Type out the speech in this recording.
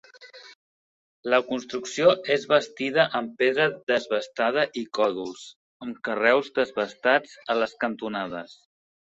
La construcció és bastida amb pedra desbastada i còdols, amb carreus desbastats a les cantonades.